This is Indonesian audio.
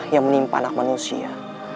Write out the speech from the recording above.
yang menimpa anak manusia